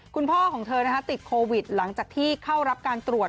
คุณพ่อของเธอติดโควิดหลังจากที่เข้ารับการตรวจ